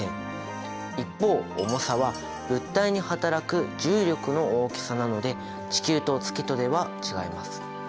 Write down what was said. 一方重さは物体に働く重力の大きさなので地球と月とでは違います。